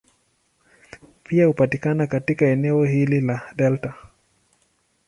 Pia hupatikana katika eneo hili la delta.